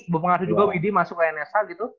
bapak ngasih juga widi masuk ke nsh gitu